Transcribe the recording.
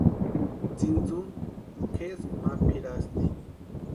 Tsintsuni kʼeskwa ma pʼirasti.